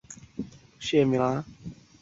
县名来自当地常见的植物茅香。